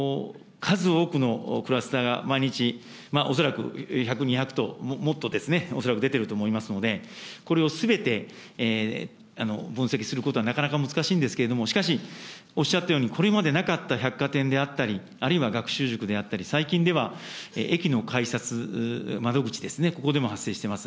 数多くのクラスターが毎日、恐らく１００、２００と、もっとですね、恐らく出てると思いますので、これをすべて分析することはなかなか難しいんですけれども、しかしおっしゃったように、これまでなかった百貨店であったり、あるいは学習塾であったり、最近では駅の改札窓口ですね、ここでも発生しています。